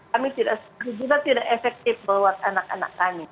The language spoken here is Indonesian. kami juga tidak efektif buat anak anak kami